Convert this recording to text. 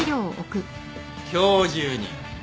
今日中に。